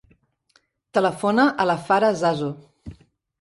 Telefona a la Farah Zazo.